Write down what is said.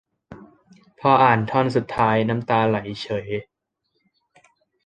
แต่พออ่านท่อนสุดท้าย น้ำตาไหลเฉย